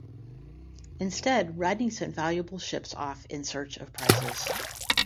Instead, Rodney sent valuable ships off in search of prizes.